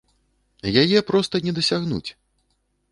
Яе проста не дасягнуць!